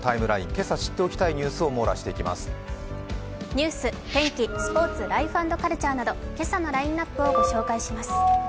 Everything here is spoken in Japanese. けさ知っておきたいニュースを網羅していますニュース、天気、スポ−ツライフ＆カルチャーなど今朝のラインナップをご紹介します。